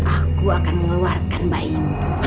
aku akan mengeluarkan bayimu